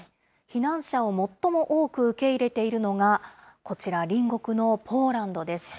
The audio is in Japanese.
避難者を最も多く受け入れているのが、こちら、隣国のポーランドです。